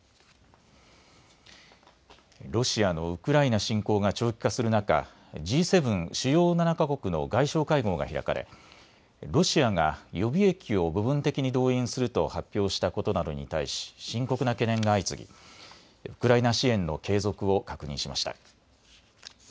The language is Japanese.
ロシアのウクライナ侵攻が長期化する中、Ｇ７・主要７カ国の外相会合が開かれロシアが予備役を部分的に動員すると発表したことなどに対し深刻な懸念が相次ぎウクライナ支援の継続を確認しました。